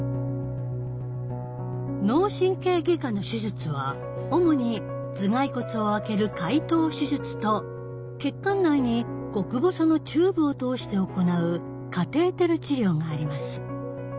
脳神経外科の手術は主に頭蓋骨を開ける開頭手術と血管内に極細のチューブを通して行うカテーテル治療があります。